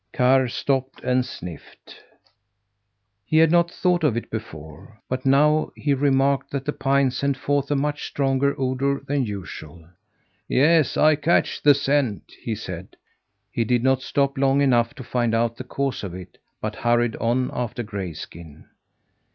Karr stopped and sniffed. He had not thought of it before, but now he remarked that the pines sent forth a much stronger odour than usual. "Yes, I catch the scent," he said. He did not stop long enough to find out the cause of it, but hurried on after Grayskin.